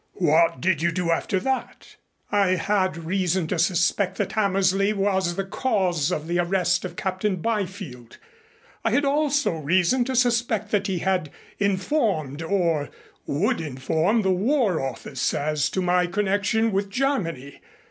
What did you do after that?" "I had reason to suspect that Hammersley was the cause of the arrest of Captain Byfield. I had also reason to suspect that he had informed, or would inform, the War Office as to my connection with Germany.